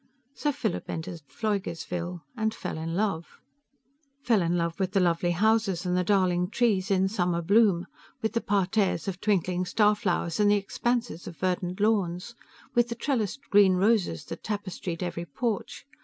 _ So Philip entered Pfleugersville ... and fell in love Fell in love with the lovely houses, and the darling trees in summer bloom. With the parterres of twinkling star flowers and the expanses of verdant lawns. With the trellised green roses that tapestried every porch.